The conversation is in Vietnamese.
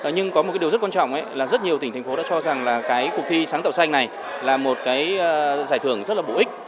nhưng có một điều rất quan trọng là rất nhiều tỉnh thành phố đã cho rằng cuộc thi sáng tạo xanh này là một giải thưởng rất là bổ ích